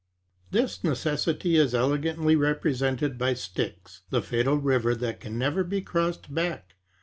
This necessity is elegantly represented by Styx, the fatal river that can never be crossed back.